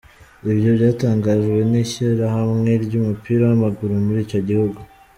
Ibyo byatangajwe n'ishyirahamwe ry'umupira w'amaguru muri icyo gihugu.